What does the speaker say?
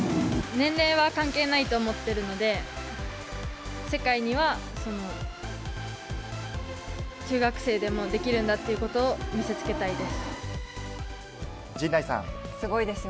年齢は関係ないと思っているので、世界には中学生でもできるんだということを見せつけたいです。